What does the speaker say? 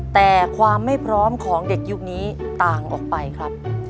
แต่ความไม่พร้อมของเด็กยุคนี้ต่างออกไปครับ